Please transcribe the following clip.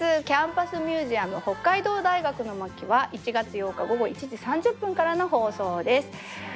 キャンパス・ミュージアム北海道大学の巻」は１月８日午後１時３０分からの放送です。